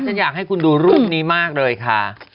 ฉันอยากให้คุณดูรูปนี้มากเลยค่ะ